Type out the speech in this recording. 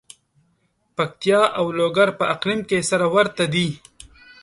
پکتیا او لوګر په اقلیم کې سره ورته دي.